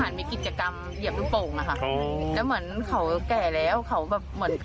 มีกิจกรรมเหยียบลูกโป่งอะค่ะแล้วเหมือนเขาแก่แล้วเขาแบบเหมือน